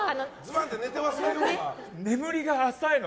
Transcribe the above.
眠りが浅いの。